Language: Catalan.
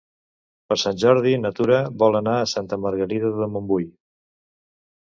Per Sant Jordi na Tura vol anar a Santa Margarida de Montbui.